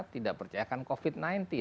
tidak percayakan covid sembilan belas